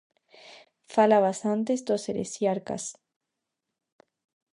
Falabas antes dos Heresiarcas.